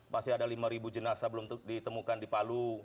masih ada lima jenazah belum ditemukan di palu